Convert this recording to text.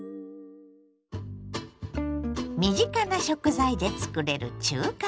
身近な食材でつくれる中華丼。